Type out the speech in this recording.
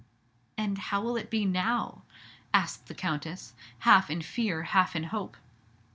"And how will it be now?" asked the Countess, half in fear, half in hope.